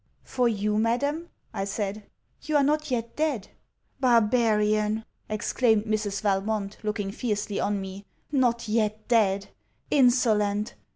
'For you, madam?' I said, 'you are not yet dead.' 'Barbarian!' exclaimed Mrs. Valmont, looking fiercely on me, 'not yet dead! Insolent!